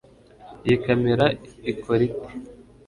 Iyi kamera ikora ite